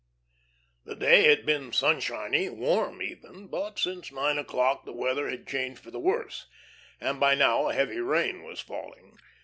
The day had been sunshiny, warm even, but since nine o'clock the weather had changed for the worse, and by now a heavy rain was falling.